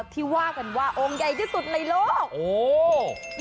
ที่ว่ากันว่าองค์ใหญ่ที่สุดในโลกโอ้โห